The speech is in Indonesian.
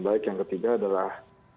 baik yang ketiga adalah